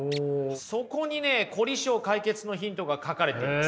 そこにね凝り性解決のヒントが書かれています。